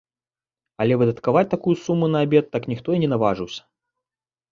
Але выдаткаваць такую суму на абед так ніхто і не наважыўся.